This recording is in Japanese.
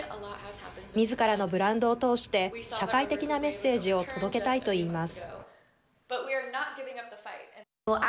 みずからのブランドを通して社会的なメッセージを届けたいと言います。